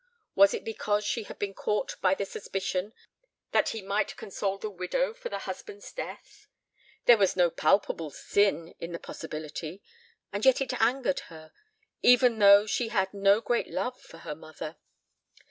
Was it because she had been caught by the suspicion that he might console the widow for the husband's death? There was no palpable sin in the possibility, and yet it angered her, even though she had no great love for her mother.